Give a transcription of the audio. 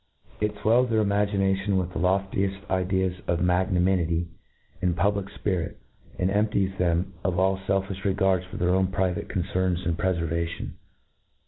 It '. N fwells 98 INTRODUCTION. I fwcUs their imaginations with the loftieft ideas of magnanimity and public fpirit, and empties thenai of all felfifh regards for their own private con cerns and prefervation.